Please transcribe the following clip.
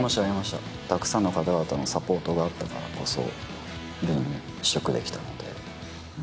たくさんの方々のサポートがあったからこそできたので。